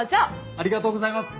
ありがとうございます。